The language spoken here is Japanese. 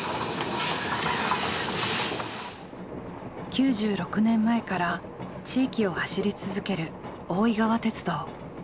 ９６年前から地域を走り続ける大井川鉄道。